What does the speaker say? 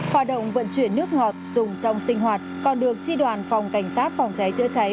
hoạt động vận chuyển nước ngọt dùng trong sinh hoạt còn được tri đoàn phòng cảnh sát phòng cháy chữa cháy